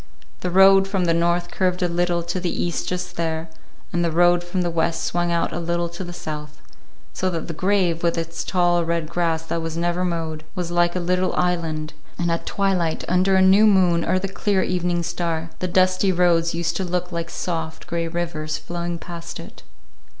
The road from the north curved a little to the east just there, and the road from the west swung out a little to the south; so that the grave, with its tall red grass that was never mowed, was like a little island; and at twilight, under a new moon or the clear evening star, the dusty roads used to look like soft gray rivers flowing past it.